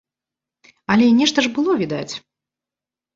Але нешта ж было, відаць.